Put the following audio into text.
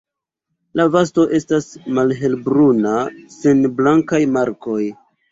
La vosto estas malhelbruna sen blankaj markoj.